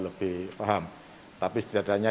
lebih paham tapi setidaknya